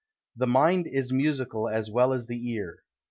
The mind is musical as well as the ear.